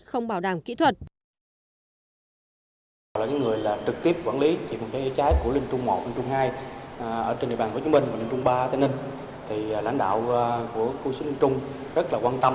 không bảo đảm kỹ thuật